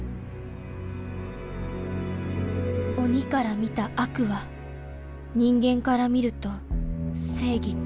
鬼から見た悪は人間から見ると正義か。